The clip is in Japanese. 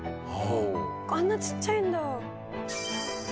あんなちっちゃいんだ。